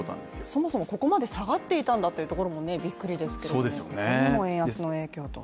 そもそもここまで下がっていたんだというところもびっくりですけどもこれも円安の影響と。